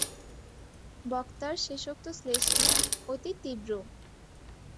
বক্তার শেষোক্ত শ্লেষটি অতি তীব্র।